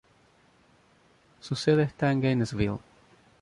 Su sede está en Gainesville.